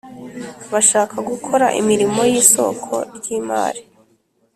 bashaka gukora imirimo y isoko ry imari